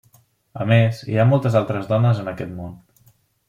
A més, hi ha moltes altres dones en aquest món.